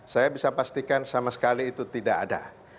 saya bisa pastikan sama sekali itu tidak ada